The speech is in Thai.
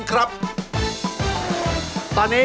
ขอด้วย